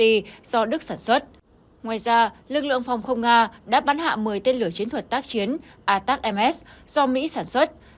do đức sản xuất ngoài ra lực lượng phòng không nga đã bắn hạ một mươi tên lửa chiến thuật tác chiến atak ms do mỹ sản xuất